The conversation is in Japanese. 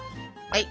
はい！